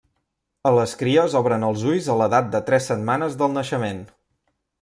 A les cries obren els ulls a l'edat de tres setmanes del naixement.